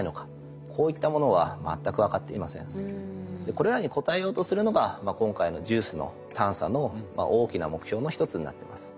これらに答えようとするのが今回のＪＵＩＣＥの探査の大きな目標の一つになってます。